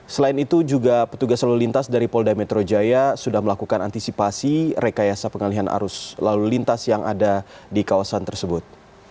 selain itu juga petugas lalu lintas dari polda metro jaya sudah melakukan antisipasi rekayasa pengalihan arus lalu lintas yang ada di kawasan tersebut